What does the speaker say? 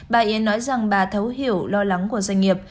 bà yến nói rằng bà thấu hiểu lo lắng của doanh nghiệp